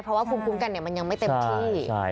เพราะว่าภูมิคุ้มกันมันยังไม่เต็มที่